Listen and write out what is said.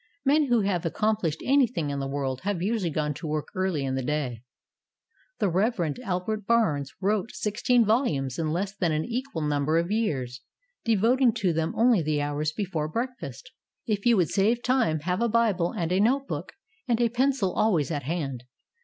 Men who have accomplished anything in the world have usually gone to work early in the day. The Rev. Albert Barnes wrote sixteen volumes in less than an equal number of years, devoting to them only the hours before breakfast. If you would save time, have a Bible, a note book and a pencil always at hand.